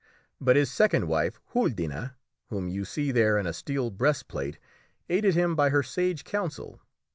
But his second wife, Huldine, whom you see there in a steel breastplate, aided him by her sage counsel.